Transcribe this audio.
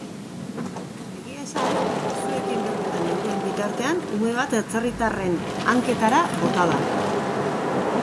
Egia esan, zuekin berbetan nengoen bitartean ume bat atzerritarraren hanketara bota da.